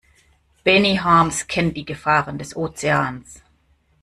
Benny Harms kennt die Gefahren des Ozeans.